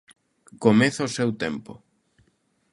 Comeza o seu tempo.